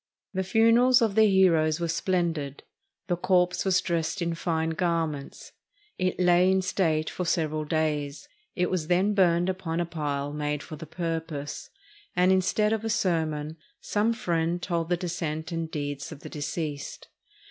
The funerals of their heroes were splendid. The corpse was dressed in fine garments. It lay in state for several days. It was then burned upon a pile made for the purpose; and, instead of a sermon, some friend told the descent and deeds of the deceased.